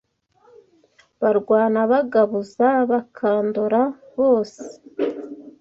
Barwana bagabuza Bakandora bose